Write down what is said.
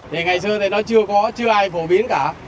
thì ngày xưa thì nó chưa có chưa ai phổ biến cả